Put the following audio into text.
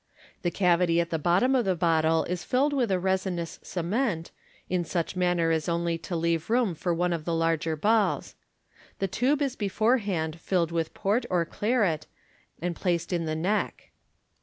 The cavity at the bottom of the bottle is filled with a resinous cement, in such manner as only to leave room for one of the larger balls. The tube is beforehand filled with port or claret, and placed in the neck.